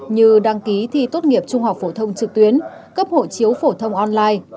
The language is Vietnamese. như đăng ký thi tốt nghiệp trung học phổ thông trực tuyến cấp hộ chiếu phổ thông online